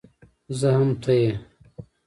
زه هم ته يې